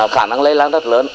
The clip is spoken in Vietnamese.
khả năng lây lan rất lớn